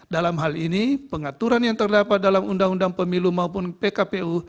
dalam hal ini pengaturan yang terdapat dalam undang undang pemilu maupun pkpu